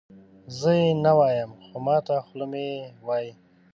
زه یې نه وایم خو ماته خوله مې یې وایي.